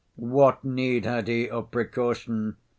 "What need had he of precaution?